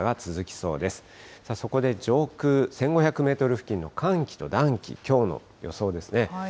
そこで上空１５００メートル付近の寒気と暖気、きょうの予想ですね。